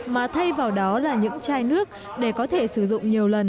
mà thay vào đó là những chai nước để có thể sử dụng nhiều lần